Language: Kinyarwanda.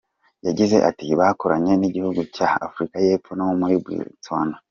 Yagize ati “bakoranye n’igihugu cya Afurika y’Epfo no muri Botswana.